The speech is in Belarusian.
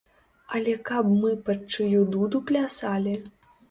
Але каб мы пад чыю дуду плясалі?